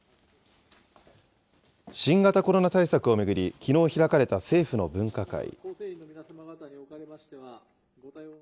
新型コロナ対策を巡り、きのう開かれた政府の分科会。